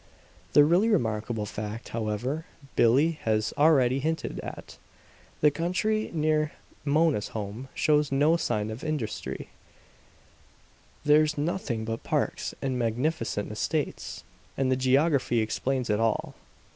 "The really remarkable fact, however, Billie has already hinted at. The country near Mona's home shows no sign of industry; there's nothing but parks and magnificent estates. And the geography explains it all.